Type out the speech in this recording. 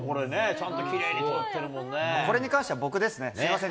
ちゃんときれいに通ってるもんね。